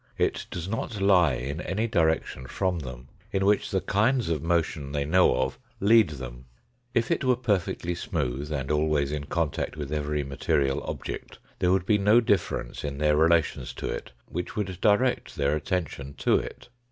It does not lie in any direction from them in which the kinds of motion they know of leads them. If it were perfectly smooth and always in contact with every material object, there would be no difference in their relations to it which would direct their attention to it.